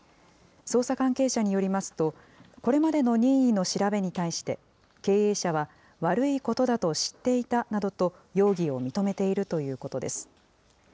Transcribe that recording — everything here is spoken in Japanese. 捜査関係者によりますと、これまでの任意の調べに対して、経営者は、悪いことだと知っていたなどと容疑を認めているということです。